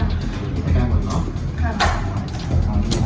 ไม่ตามความทรัพย์ที่กินก่อนเนอะ